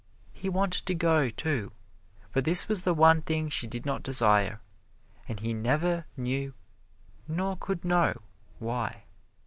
He wanted to go, too, but this was the one thing she did not desire, and he never knew nor could know why.